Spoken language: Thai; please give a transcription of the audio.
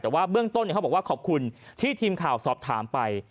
แต่ว่าเบื้องต้นเขาบอกว่าขอบคุณที่ทีมข่าวสอบถามไป